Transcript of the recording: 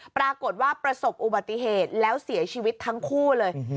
ประสบอุบัติเหตุแล้วเสียชีวิตทั้งคู่เลย